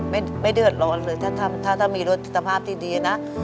ไม่เดือดร้อนเลยถ้ามีรถสภาพที่ดีนะ